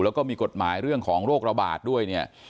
แล้วก็มีกฎหมายเรื่องของโรคระบาดด้วยเนี่ย